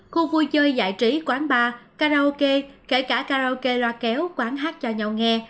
khu vui chơi giải trí quán bar karaoke kể cả karaoke loa kéo quán hát cho nhau nghe